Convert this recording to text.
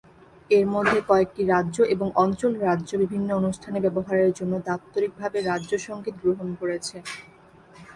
এর মধ্যে কয়েকটি রাজ্য এবং অঞ্চল রাজ্য বিভিন্ন অনুষ্ঠানে ব্যবহারের জন্য দাপ্তরিকভাবে রাজ্য সংগীত গ্রহণ করেছে।